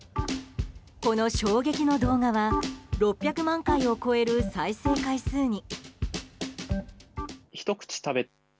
この衝撃の動画は６００万回を超える再生回数に。